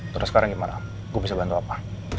terus sekarang gimana gue bisa bantu apa